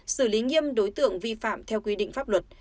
xử lý nghiêm đối tượng vi phạm theo quy định pháp luật